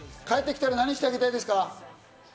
帰ってきたら何をしてあげたいですか？